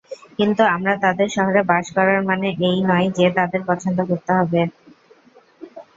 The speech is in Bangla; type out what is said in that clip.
কিন্তু আমরা তাদের শহরে বাস করার মানে এই নয় যে তাদের পছন্দ করতে হবে।